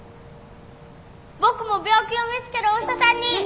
僕も病気を見つけるお医者さんに